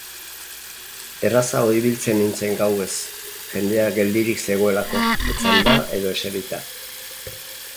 Errazago ibiltzen nintzen gauez, jendea geldirik zegoelako, etzanda edo eserita.